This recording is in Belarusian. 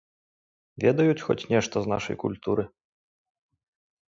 Ведаюць хоць нешта з нашай культуры?